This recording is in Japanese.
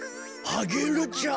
アゲルちゃん。